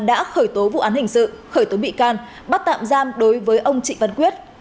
đã khởi tố vụ án hình sự khởi tố bị can bắt tạm giam đối với ông trịnh văn quyết